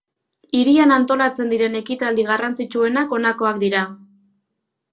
Hirian antolatzen diren ekitaldi garrantzitsuenak honakoak dira.